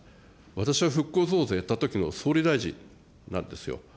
私は復興増税やったときの、総理大臣なんですよ。